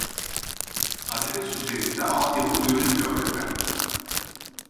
Adres üzerinde alt yapı görünmüyor efendim